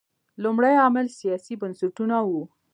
لومړی عامل سیاسي بنسټونه وو.